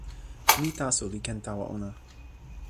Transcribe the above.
mi taso li ken tawa ona.